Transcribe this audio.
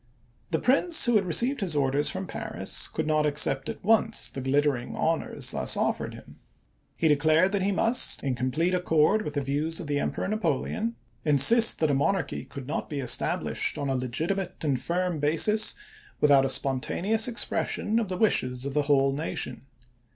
The Prince, who had received his orders from Paris, could not accept at once the glittering honors thus offered him. He declared that he must, in com plete accordance with the views of the Emperor 400 ABRAHAM LINCOLN chap. xiv. Napoleon, insist that a monarchy could not be established on a legitimate and firm basis without a spontaneous expression of the wishes of the whole nation.